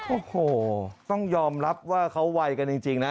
โอ้โหต้องยอมรับว่าเขาไวกันจริงนะ